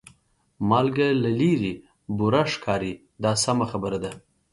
مالګه له لرې بوره ښکاري دا سمه خبره ده.